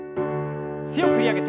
強く振り上げて。